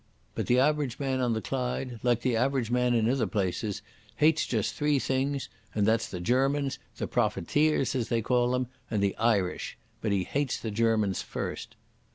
But the average man on the Clyde, like the average man in ither places, hates just three things, and that's the Germans, the profiteers, as they call them, and the Irish. But he hates the Germans first."